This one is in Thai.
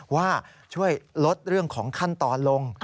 ว่าช่วยลดเรื่องของขั้นตอนลง